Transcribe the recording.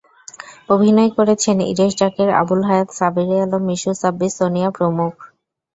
অভিনয় করেছেন ইরেশ যাকের, আবুল হায়াত, সাবেরি আলম, মিশু সাব্বির, সোনিয়া প্রমুখ।